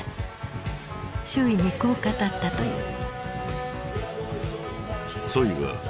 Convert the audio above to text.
周囲にこう語ったという。